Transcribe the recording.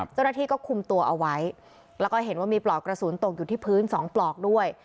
เจ้าหน้าที่ก็คุมตัวเอาไว้แล้วก็เห็นว่ามีปลอกกระสุนตกอยู่ที่พื้นสองปลอกด้วย